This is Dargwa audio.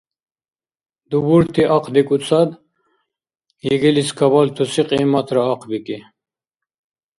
Дубурти ахъдикӏуцад, ЕГЭ-лис кабалтуси кьиматра ахъбикӏи